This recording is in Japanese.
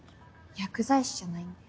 薬剤師じゃないんで。